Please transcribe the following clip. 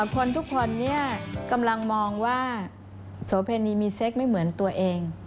คนทุกคนนี้กำลังมองว่าโสเพณีมีเซ็กไม่เหมือนตัวเอง